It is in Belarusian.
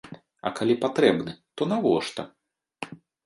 А калі патрэбны, то навошта?